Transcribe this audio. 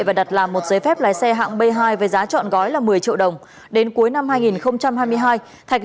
và đặt làm một giấy phép lái xe hạng b hai với giá trọn gói là một mươi triệu đồng đến cuối năm hai nghìn hai mươi hai thạch